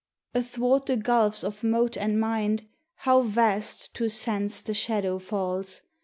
Athwart the gulfs of mote and mind How vast, to Sense, the shadow falls!